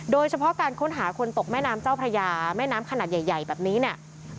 โดยเฉพาะการค้นหาคนตกแม่น้ำเจ้าพระยาแม่น้ำขนาดใหญ่แบบนี้เนี่ย